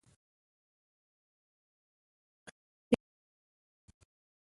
زه د زده کړي په برخه کښي جدي یم.